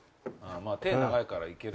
手長いからいける。